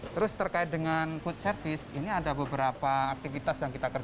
terus terkait dengan food service ini ada beberapa aktivitas yang kita kerjakan